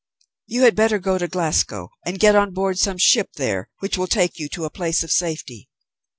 "You had better go to Glasgow and get on board some ship there which will take you to a place of safety.